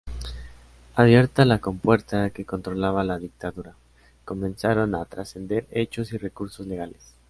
Abierta la compuerta que controlaba la dictadura, comenzaron a trascender hechos y recursos legales.